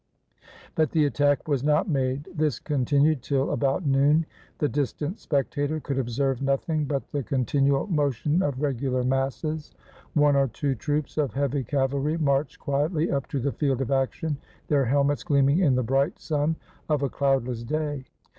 But the attack was not made. This continued till about noon. The distant spectator could observe nothing but the continual motion of regular masses. One or two troops of heavy cavalry marched quietly up to the field of action, their helmets gleaming in the bright sun of a cloudless day.